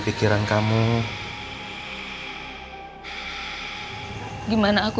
habis kamu di runding tadi